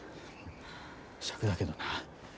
しゃくだけどな。